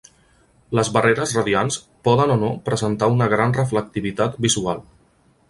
Les barreres radiants poden o no presentar una gran reflectivitat visual.